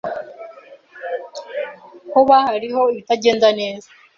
Hoba hariho ibitagenda neza?